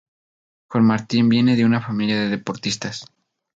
Juan Martín viene de una familia de deportistas.